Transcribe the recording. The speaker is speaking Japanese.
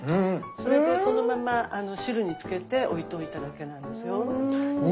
それでそのまま汁につけて置いといただけなんですよ。